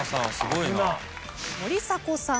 森迫さん。